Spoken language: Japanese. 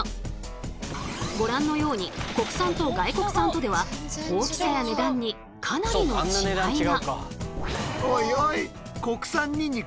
ご覧のように国産と外国産とでは大きさや値段にかなりの違いが。